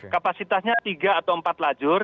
kapasitasnya tiga atau empat lajur